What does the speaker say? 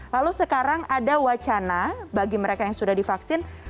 lalu sekarang ada wacana bagi mereka yang sudah divaksin